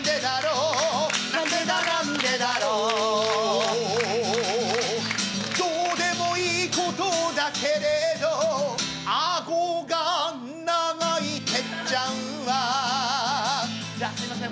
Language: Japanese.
なんでだなんでだろうどうでもいいことだけれど顎が長いテッちゃんはじゃあすいません